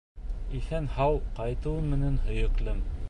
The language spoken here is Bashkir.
Иҫән-һау ҡайтыуың менән, һөйөклөм!